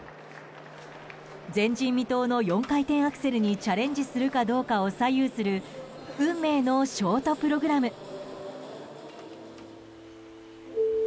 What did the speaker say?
前人未到の４回転アクセルにチャレンジするかどうかを左右する運命のショートプログラム。